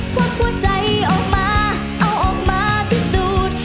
ความผู้ใจออกมาเอาออกมาที่สุด